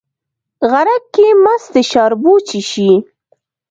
غرک کې مستې شاربو، چې شي